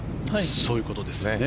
そういうことですよね。